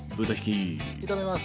炒めます。